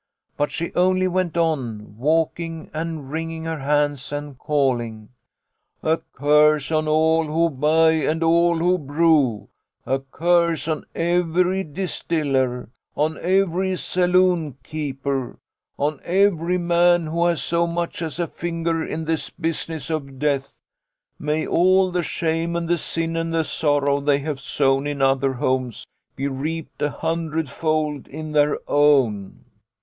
But she only went on walking and wring ing her hands and calling, ' A curse on all who buy and all who brew ! A curse on every distiller ! On every saloon keeper ! On every man who has so much as a finger in this business of death ! May all the shame and the sin and the sorrow they have sown in other homes be reaped a hundredfold in their own